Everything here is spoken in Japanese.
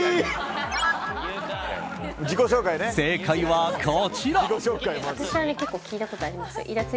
正解は、こちら。